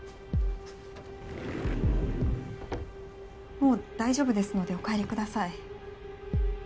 もう大丈夫ですのでお帰りください。